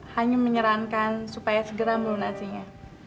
hanya menyarankan supaya segera melunasinya